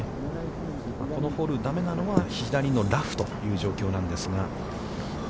このホール、だめなのは、左のラフという状況なんですが。